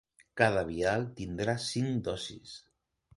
Cada vial tindrà cinc dosis.